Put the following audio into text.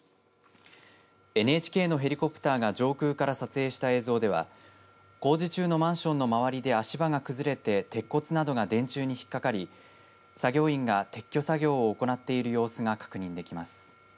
ＮＨＫのヘリコプターが上空から撮影した映像では工事中のマンションの周りで足場が崩れて鉄骨などが電柱に引っかかり作業員が撤去作業を行っている様子が確認できます。